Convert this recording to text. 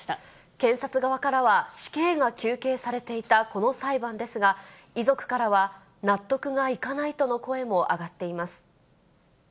検察側からは死刑が求刑されていたこの裁判ですが、遺族からは、納得がいかないとの声も上がっています。